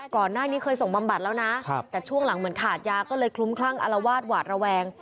ก่อนหน้านี้เคยส่งบำบัดแล้วนะแต่ช่วงหลังเหมือนขาดยาก็เลยคลุ้มคลั่งอารวาสหวาดระแวง